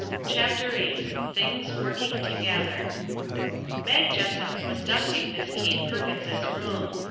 117 CHAPTER VIII THINGS " WORKING TOGETHER " MAG JESSUP was dusting Miss Kate Perkins's room.